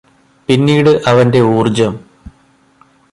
പിന്നീട് അവന്റെ ഊര്ജ്ജം